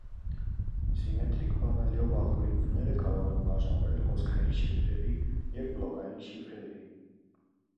Սիմետրիկ բանալիով ալգորիթմները կարող են բաժանվել հոսքային շիֆրերի և բլոկային շիֆրերի։